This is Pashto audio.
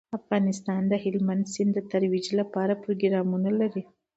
افغانستان د هلمند سیند د ترویج لپاره پروګرامونه لري.